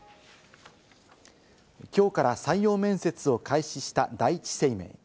きょうから採用面接を開始した第一生命。